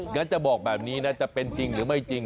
งั้นจะบอกแบบนี้นะจะเป็นจริงหรือไม่จริง